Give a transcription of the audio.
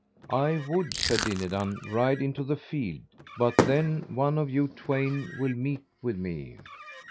I would, said Dinadan, ride into the field, but then one of you twain will meet with me.